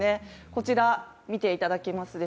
こちらを見ていただけますか。